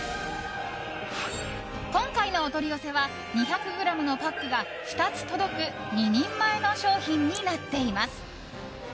今回のお取り寄せは２００ｇのパックが２つ届く２人前の商品になっています。